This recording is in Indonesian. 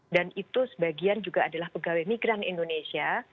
dan itu sebagian juga adalah pegawai migran indonesia